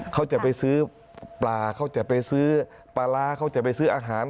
เขาจะไปซื้อปลาเขาจะไปซื้อปลาร้าเขาจะไปซื้ออาหาร